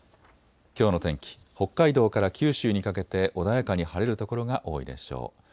きょうの天気、北海道から九州にかけて穏やかに晴れる所が多いでしょう。